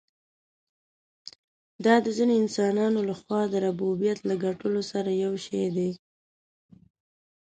دا د ځینو انسانانو له خوا د ربوبیت له ګټلو سره یو شی دی.